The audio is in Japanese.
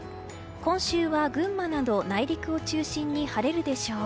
今週は群馬など内陸を中心に晴れるでしょう。